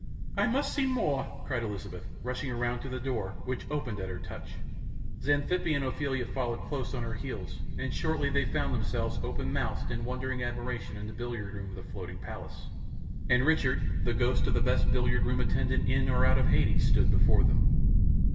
"I must see more," cried Elizabeth, rushing around to the door, which opened at her touch. Xanthippe and Ophelia followed close on her heels, and shortly they found themselves, open mouthed in wondering admiration, in the billiard room of the floating palace, and Richard, the ghost of the best billiard room attendant in or out of Hades, stood before them.